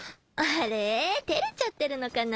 △譟繊照れちゃってるのかな？